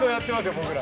僕ら。